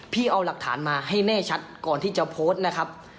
เอาหลักฐานมาให้แน่ชัดก่อนที่จะโพสต์นะครับ